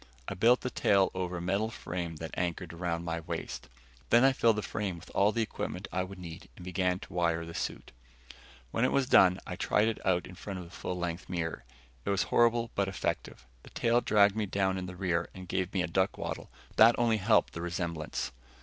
I built the tail over a metal frame that anchored around my waist. Then I filled the frame with all the equipment I would need and began to wire the suit. When it was done, I tried it on in front of a full length mirror. It was horrible but effective. The tail dragged me down in the rear and gave me a duck waddle, but that only helped the resemblance.